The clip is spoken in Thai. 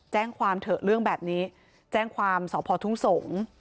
แจ้งความเถอะเรื่องแบบนี้แจ้งความสพทุ่งสงศ์